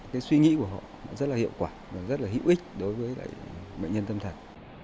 cái suy nghĩ của họ rất là hiệu quả và rất là hữu ích đối với bệnh nhân tâm thần